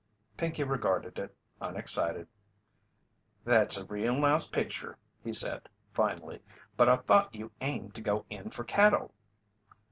Pinkey regarded it, unexcited. "That's a real nice picture," he said, finally, "but I thought you aimed to go in for cattle?"